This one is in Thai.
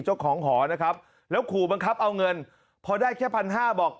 เจ้าของหอนะครับแล้วขู่บังคับเอาเงินพอได้แค่พันห้าบอก